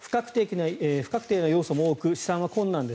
不確定な要素も多く試算は困難です